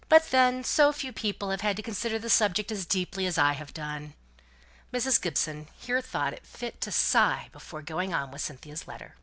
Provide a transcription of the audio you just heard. But then so few people have had to consider the subject so deeply as I have done!" Mrs. Gibson here thought fit to sigh before going on with Cynthia's letter.